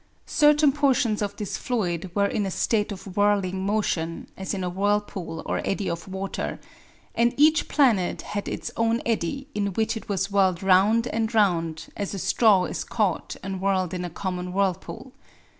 Certain portions of this fluid were in a state of whirling motion, as in a whirlpool or eddy of water; and each planet had its own eddy, in which it was whirled round and round, as a straw is caught and whirled in a common whirlpool.